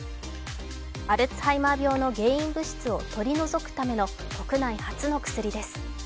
アルツハイマー病の原因物資を取り除くための国内初の薬です。